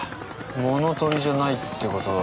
物取りじゃないって事は。